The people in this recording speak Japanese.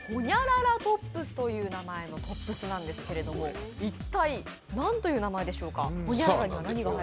○トップスという名前のトップスなんですが一体、何という名前でしょうか。